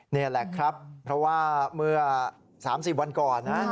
นี่แหละครับเพราะว่าเมื่อ๓๐วันก่อนนะ